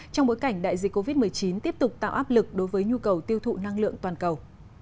trong bối cảnh đại dịch covid một mươi chín tiếp tục tạo áp lực đối với nhu cầu tiêu thụ năng lượng toàn cầu